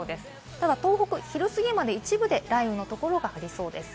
ただ東北は昼すぎまで一部で雷雨のところがありそうです。